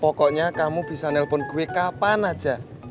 pokoknya kamu bisa nelpon gue kapan aja